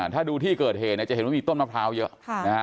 ถ้าดูที่เกิดเหจะเห็นว่ามีต้นมะพร้าวเยอะ